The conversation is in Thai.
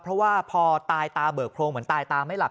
เพราะว่าพอตายตาเบิกโครงเหมือนตายตาไม่หลับ